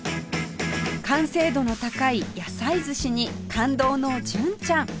完成度の高い野菜寿司に感動の純ちゃん